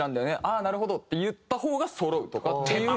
「ああなるほど」って言った方がそろうとかっていう。